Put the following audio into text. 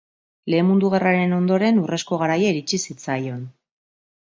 Lehen Mundu Gerraren ondoren urrezko garaia iritsi zitzaion.